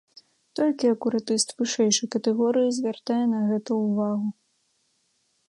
Толькі акуратыст вышэйшай катэгорыі звяртае на гэта ўвагу.